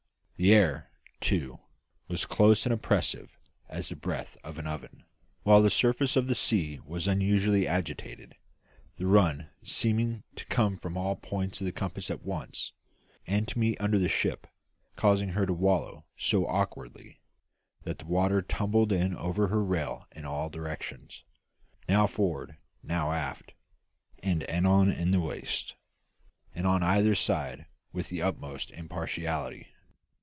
The air, too, was close and oppressive as the breath of an oven; while the surface of the sea was unusually agitated, the run seeming to come from all points of the compass at once, and to meet under the ship, causing her to "wallow" so awkwardly that the water tumbled in over her rail in all directions, now forward, now aft, and anon in the waist, and on either side with the utmost impartiality.